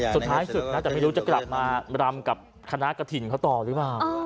สุดท้ายศึกนะแต่ไม่รู้จะกลับมารำกับคณะกระถิ่นเขาต่อหรือเปล่า